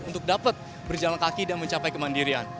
untuk dapat berjalan kaki dan mencapai kemandirian